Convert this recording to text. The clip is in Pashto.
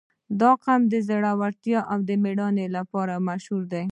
• دا قوم د زړورتیا او مېړانې لپاره مشهور دی.